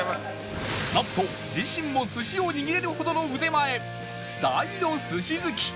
なんと自身も寿司を握れるほどの腕前大の寿司好き！